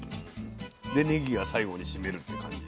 でねぎが最後に締めるって感じ。